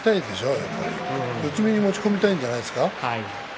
やっぱり、四つ身に持ち込みたいんじゃないですか。